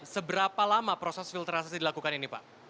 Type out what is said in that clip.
seberapa lama proses filterisasi dilakukan ini pak